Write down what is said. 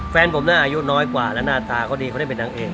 แฟนผมน่าอายุน้อยกว่าและหน้าตาเขาดี